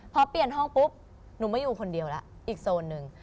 พอเปลี่ยนห้องปุ๊บหนูไม่อยู่คนเดียวแล้วอีกโซนนึง